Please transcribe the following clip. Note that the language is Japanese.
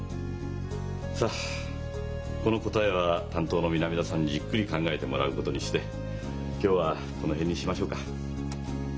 さあこの答えは担当の南田さんにじっくり考えてもらうことにして今日はこの辺にしましょうか。